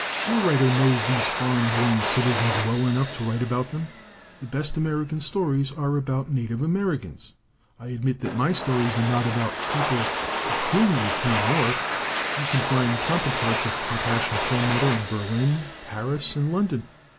No writer knows these foreign born citizens well enough to write about them. The best American stories are about native Americans. I admit that my stories are not about people pe culiar to New York you can find counterparts of 'Potash and Perlmutter' in Berlin, Paris, and London.